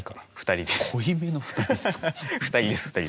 ２人です。